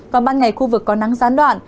và ban ngày khu vực có nắng gián đoạn